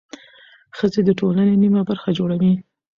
ښځې د ټولنې نیمه برخه جوړوي.